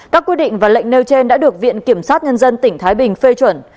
các quy định và lệnh nêu trên đã được viện kiểm sát nhân dân tỉnh thái bình phê chuẩn